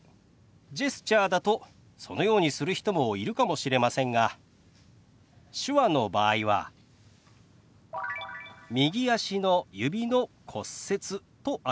ジェスチャーだとそのようにする人もいるかもしれませんが手話の場合は「右足の指の骨折」と表します。